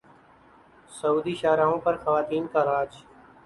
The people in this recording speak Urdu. سعودی شاہراہوں پر خواتین کا راج